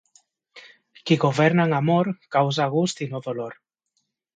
Qui governa amb amor, causa gust i no dolor.